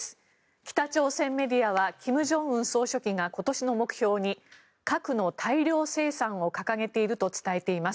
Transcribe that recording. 北朝鮮メディアは金正恩総書記が今年の目標に核の大量生産を掲げていると伝えています。